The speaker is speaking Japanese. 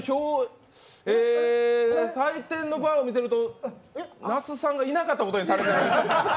採点のバーを見てると那須さんがいなかったことにされてる。